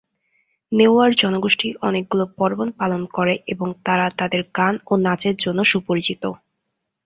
নেওয়ার জনগোষ্ঠী অনেকগুলো পার্বণ পালন করে এবং তারা তাদের গান ও নাচের জন্য সুপরিচিত।